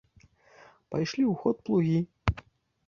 Пайшлі ў ход плугі.